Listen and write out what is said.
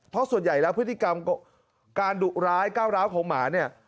เพราะส่วนใหญ่แล้วพฤติกรรมการดุร้ายก้าวร้าวของหมาเนี่ย